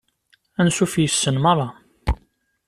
Ansuf yes-sen merra.